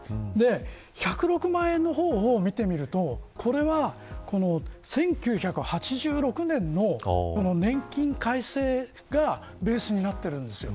１０６万円の方を見てみるとこれは１９８６年の年金改正がベースになってるんですよ。